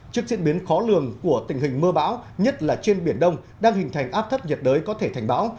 trước diễn biến khó lường của tình hình mưa bão nhất là trên biển đông đang hình thành áp thấp nhiệt đới có thể thành bão